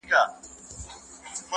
مخ یې ونیوی د نیل د سیند پر لوري.